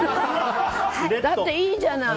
だって、いいじゃない。